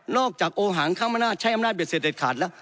อกจากโอหางข้างมนาศใช้อำนาจเด็ดเสร็จเด็ดขาดแล้ว